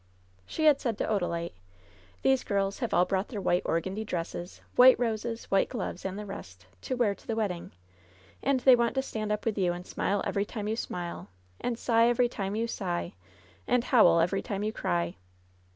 She had said to Odalite: "These girls have all brought their white organdie dresses, white roses, white gloves, and the rest, to wear to the wedding ! And they want to stand up with you and smile every time you smile, and sigh every time you sigh, and howl every time you cry